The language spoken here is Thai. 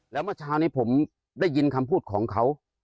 แล้วเมื่อเช้านี้ผมได้ยินคำพูดของเขา